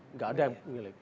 nggak ada yang punya lagi